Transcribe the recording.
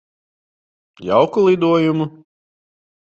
Jauku lidojumu.